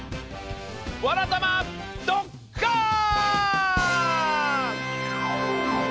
「わらたまドッカン」！